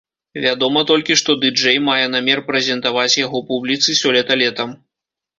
Вядома толькі, што ды-джэй мае намер прэзентаваць яго публіцы сёлета летам.